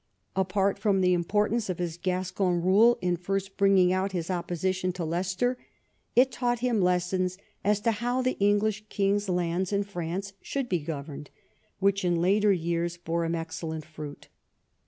Apart from the importance of his Gascon rule in first bringing out his op^^osition to Leicester, it taught him lessons as to hoAv the English king's lands in France should be governed, Avhich in later years bore him excellent fruit.